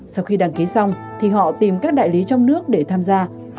sau khi đăng ký xong thì họ tìm các đại lý trong nước để tham gia